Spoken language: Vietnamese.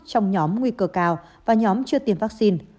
trong nhóm nguy cơ cao và nhóm chưa tiêm vaccine